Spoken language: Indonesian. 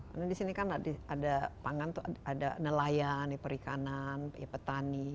karena di sini kan ada pangan ada nelayan perikanan petani